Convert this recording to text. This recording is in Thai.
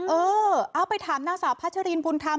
เออเอาไปถามนางสาวพัชรินบุญธรรม